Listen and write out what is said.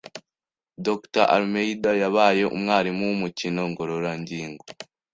Dr Almeida yabaye umwarimu w'umukino ngororangingo